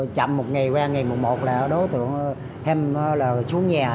chậm một ngày qua ngày mùa một là đối tượng em là xuống nhà